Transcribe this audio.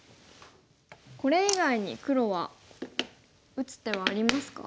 これ以外に黒は打つ手はありますか？